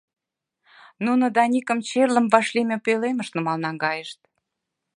Нуно Даникым черлым вашлийме пӧлемыш нумал наҥгайышт.